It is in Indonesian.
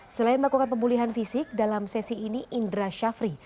selain melakukan pemulihan fisik dalam sesi ini indra syafri